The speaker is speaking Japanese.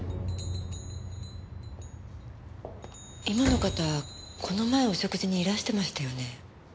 今の方この前お食事にいらしてましたよね。